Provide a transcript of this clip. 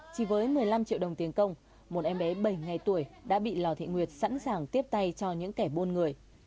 chỉ với một mươi năm triệu đồng tiền công một em bé bảy ngày tuổi đã bị lò thị nguyệt sẵn sàng tiếp tay cho những kẻ buôn người